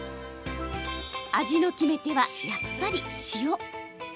味の決め手は、やっぱり塩。